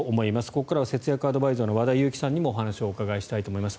ここから節約アドバイザーの和田由貴さんにもお話をお伺いします。